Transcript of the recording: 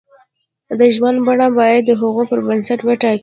د ژوند بڼه باید د هغو پر بنسټ وټاکي.